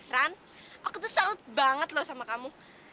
run aku tuh salut banget loh sama kamu